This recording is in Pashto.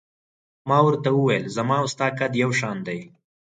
ما ورته وویل: زما او ستا قد یو شان دی.